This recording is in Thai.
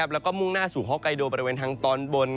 แล้วก็มุ่งหน้าสู่ฮอกไกโดบริเวณทางตอนบน